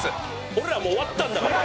俺らもう終わったんだから。